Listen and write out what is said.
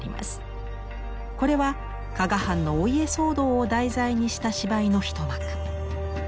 これは加賀藩のお家騒動を題材にした芝居の一幕。